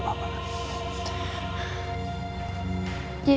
semuanya kepada papa